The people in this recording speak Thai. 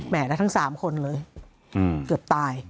แหมละทั้ง๓คนเลยเกือบตาย